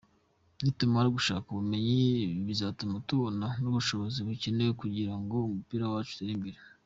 Nitumara gushaka ubumenyi bizatuma tubona n’ubushobozi bukenewe kugira ngo umupira wacu utere imbere.